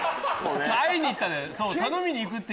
会いに行ったのよ。